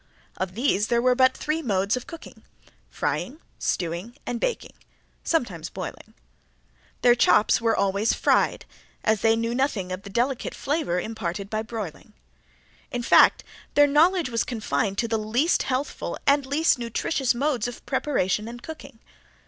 Of these there were but three modes of cooking frying, stewing and baking, sometimes boiling. Their chops were always fried as they knew nothing of the delicate flavor imparted by broiling. In fact their knowledge was confined to the least healthful and least nutritious modes of preparation and cooking.